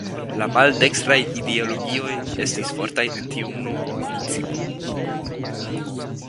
La maldekstraj ideologioj estis fortaj en tiu municipo.